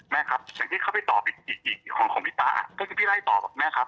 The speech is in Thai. แม่ครับอย่างที่เขาไปตอบอีกของของพี่ป๊าอ่ะก็คือพี่ไล่ต่อแม่ครับ